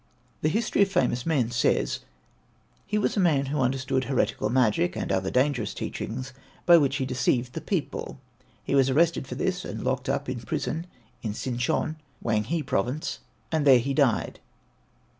The History of Famous Men says, "He was a man who understood heretical magic, and other dangerous teachings by which he deceived the people. He was arrested for this and locked up in prison in Sin chon, Whang hai Province, and there he died.